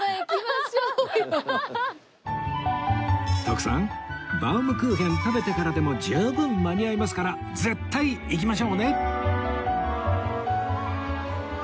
徳さんバウムクーヘン食べてからでも十分間に合いますから絶対行きましょうね！